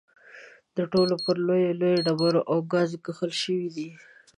دا ټول پر لویو لویو ډبرو او ګارو کښل شوي دي.